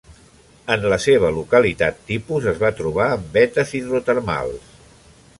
En la seva localitat tipus es va trobar en vetes hidrotermals.